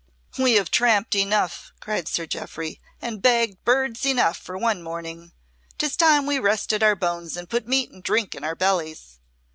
"We have tramped enough," cried Sir Jeoffry, "and bagged birds enough for one morning. 'Tis time we rested our bones and put meat and drink in our bellies."